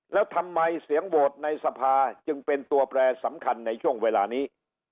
แล้วทำไมเสียงโหวตในสภาจึงเป็นตัวแปรสำคัญในช่วงเวลานี้